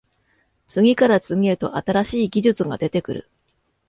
次から次へと新しい技術が出てくる